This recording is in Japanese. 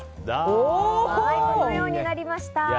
このようになりました。